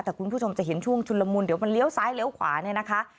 แต่คุณผู้ชมจะเห็นช่วงชุนละมุนเดี๋ยวมันเลี้ยวซ้ายเลี้ยวขวาเนี่ยนะคะ